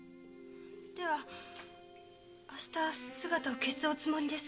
では明日姿を消すおつもりですか？